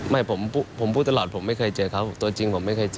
ไม่ผมพูดตลอดผมไม่เคยเจอเขาตัวจริงผมไม่เคยเจอ